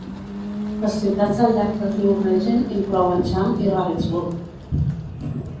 Les ciutats al llarg del riu Regen inclouen Cham i Ragensburg.